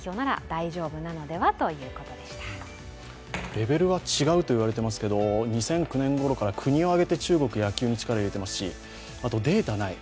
レベルが違うと言われていますけれども、２００９年ごろから国を挙げて中国、力を入れてますしデータがない。